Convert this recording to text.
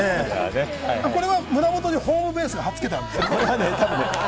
これ、胸元にホームベースが貼っ付けてあるんですか？